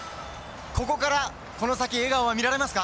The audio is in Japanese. ここからこの先笑顔は見られますか？